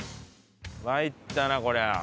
まいったなこりゃ。